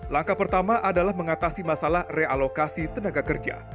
langkah pertama adalah mengatasi masalah realokasi tenaga kerja